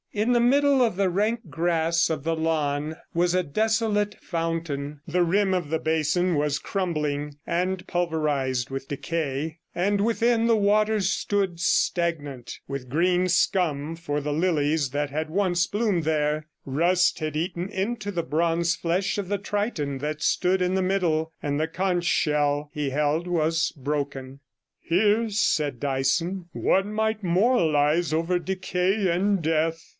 In the middle of the rank grass of the lawn was a desolate fountain; the rim of the basin was crumbling and pulverized with decay, and within the water stood stagnant, with green scum for the lilies that had once bloomed there; rust had eaten into the bronze flesh of the Triton that stood in the middle, and the conch shell he held was broken. 'Here,' said Dyson, 'one might moralize over decay and death.